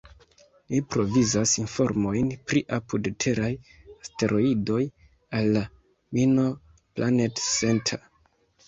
Li provizas informojn pri apud-teraj asteroidoj al la "Minor Planet Center".